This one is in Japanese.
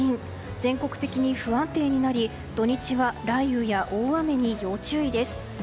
全国的に不安定になり土日は雷雨や大雨に要注意です。